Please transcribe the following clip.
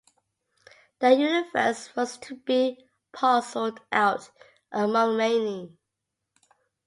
The universe was to be parcelled out among many.